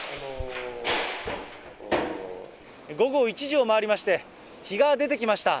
午後１時を回りまして、日が出てきました。